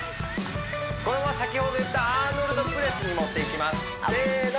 このまま先ほど言ったアーノルドプレスに持っていきますせーの！